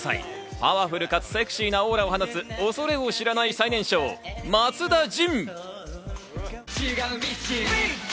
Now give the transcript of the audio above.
パワフルかつセクシーなオーラを放つ、恐れを知らない最年少、松田迅。